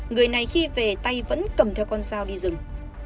người này khi về tay vẫn cầm theo con dao đi rừng